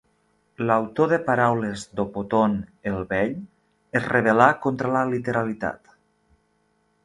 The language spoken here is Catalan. L'autor de Paraules d'Opoton el Vell es rebel·là contra la literalitat.